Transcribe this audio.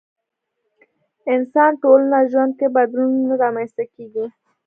انسان ټولنه ژوند کې بدلون نه رامنځته کېږي.